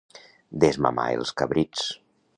Desmamar els cabrits.